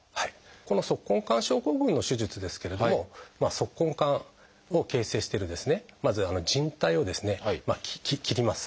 この足根管症候群の手術ですけれども足根管を形成しているまずじん帯をですね切ります。